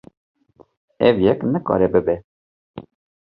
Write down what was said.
Ev yek nikare bibe.